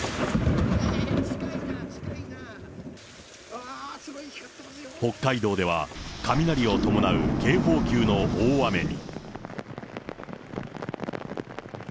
あー、北海道では、雷を伴う警報級の大雨に。